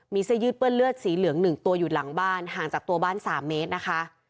มีเสื้อยืดเปื้อนเลือดสีเหลือง๑ตัวอยู่หลังบ้านห่างจากตัวบ้าน๓เมตรนะคะ